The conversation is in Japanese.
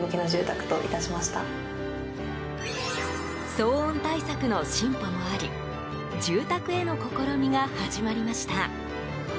騒音対策の進歩もあり住宅への試みが始まりました。